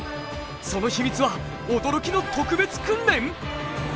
その秘密は驚きの特別訓練！？